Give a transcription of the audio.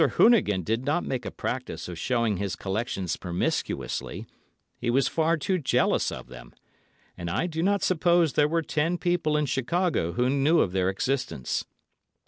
Hoonigan did not make a practice of showing his collections promiscuously, he was far too jealous of them, and I do not suppose there were ten people in Chicago who knew of their existence.